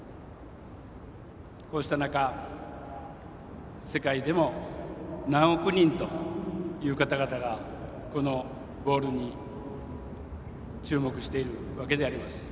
こうした中世界でも何億人という方々がこのボールに注目しているわけであります。